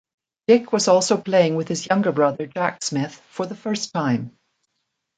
Dick was also playing with his younger brother Jack Smith for the first time.